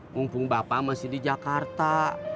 mumpung bapak masih di jakarta